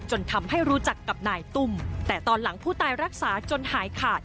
ทำให้รู้จักกับนายตุ้มแต่ตอนหลังผู้ตายรักษาจนหายขาด